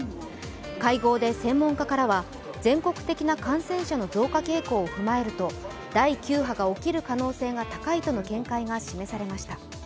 会合で専門家からは、全国的な感染者の増加傾向を踏まえると第９波が起きる可能性が高いとの見解が示されました。